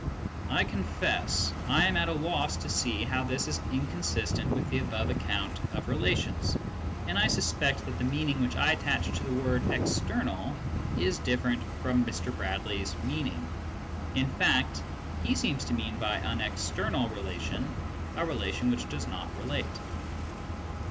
I confess I am at a loss to see how this is inconsistent with the above ac count of relations, and I suspect that the meaning which I attach to the word " external " is different from Mr. Bradley's meaning ; in fact he seems to mean by an "external" relation a relation which does not relate.